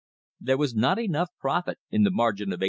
There was not enough profit in the margin of 1871.